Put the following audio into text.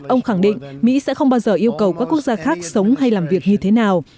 ông khẳng định mỹ sẽ không bao giờ yêu cầu các quốc gia khác sống hay làm việc như thế nào